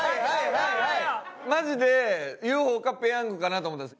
マジでＵ．Ｆ．Ｏ．かペヤングかなと思ったんです。